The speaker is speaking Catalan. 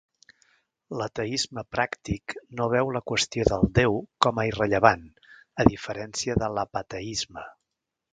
L'ateisme pràctic no veu la qüestió del déu com a irrellevant, a diferència de l'"apateisme".